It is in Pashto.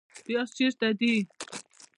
پیاز چیرته دي؟